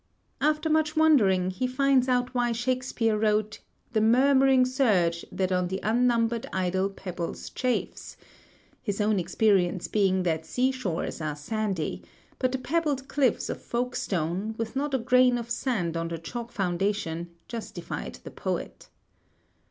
After much wondering, he finds out why Shakespeare wrote "The murmuring surge That on the unnumbered idle pebbles chafes," his own experience being that sea shores are sandy; but the pebbled cliffs of Folkestone, with not a grain of sand on the chalk foundation, justified the poet.